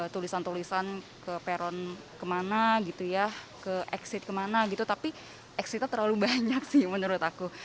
tulisan tulisan ke peron kemana gitu ya ke exit kemana gitu tapi exitnya terlalu banyak sih menurut aku